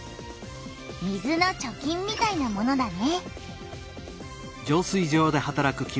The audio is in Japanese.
「水の貯金」みたいなものだね。